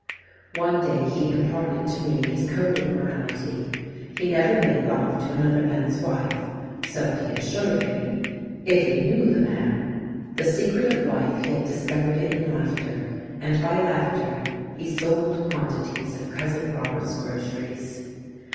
One day he imparted to me his code of morality: he never made love to another man's wife, so he assured me, if he knew the man! The secret of life he had discovered in laughter, and by laughter he sold quantities of Cousin Robert's groceries.